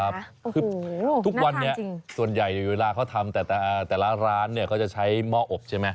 คือทุกวันนี้ส่วนใหญ่เวลาเขาทำแต่ละร้านเนี่ยเขาจะใช้หม้ออบใช่ไหม